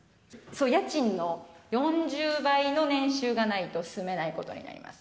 家賃の４０倍の年収がないと住めないことになります。